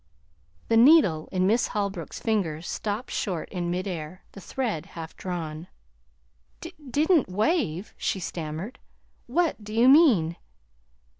The needle in Miss Holbrook's fingers stopped short in mid air, the thread half drawn. "Didn't wave!" she stammered. "What do you mean?"